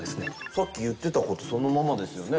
さっき言ってたことそのままですよね。